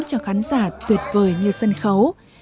cho khán giả tuyệt vời như sân khấu